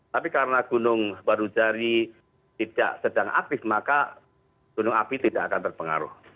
tapi karena gunung baru jari tidak sedang aktif maka gunung api tidak akan terpengaruh